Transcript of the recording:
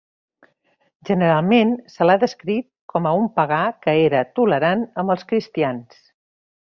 Generalment, se l'ha descrit com a un pagà que era tolerant amb els cristians.